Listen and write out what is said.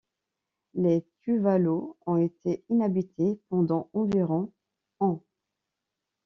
Les Tuvalu ont été inhabités pendant environ ans.